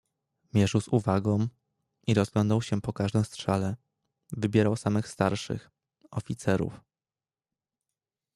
"Mierzył z uwagą, i rozglądał się po każdym strzale, wybierał samych starszych, oficerów..."